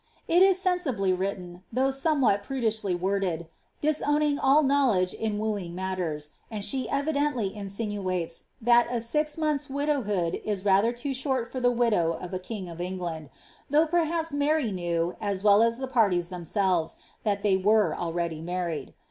It is sensibly written, though somewhat prudishly worded, disowning all knowledge in wooing matters ; and she evidently insinuates, that a six months' widowhood was rather too short for the widow of a king of England ; though perhaps Mary knew, as well as the parties themselves, that they were already married.